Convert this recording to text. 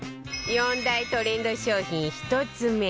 ４大トレンド商品１つ目